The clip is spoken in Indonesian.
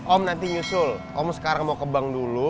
om nanti nyusul kamu sekarang mau ke bank dulu